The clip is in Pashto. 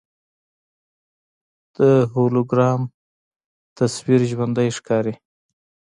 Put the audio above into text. د هولوګرام تصویر ژوندی ښکاري.